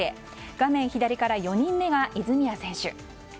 画面左から４人目が泉谷選手。